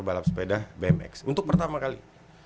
balap sepeda bmx untuk pertama kali